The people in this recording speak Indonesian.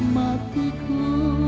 ya allah yang kuanggu